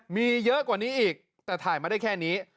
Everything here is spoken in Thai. มีเยอะกว่านี้อีกแต่ถ่ายมาได้แค่นี้